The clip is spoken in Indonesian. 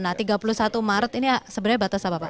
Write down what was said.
nah tiga puluh satu maret ini sebenarnya batas apa pak